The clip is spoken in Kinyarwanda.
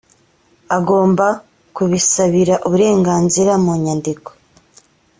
agomba kubisabira uburenganzira mu nyandiko